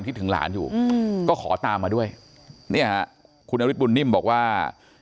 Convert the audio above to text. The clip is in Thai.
ถึงหลานอยู่ก็ขอตามมาด้วยเนี่ยฮะคุณนฤทธบุญนิ่มบอกว่า